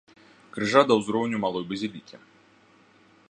Крыжа да ўзроўню малой базілікі.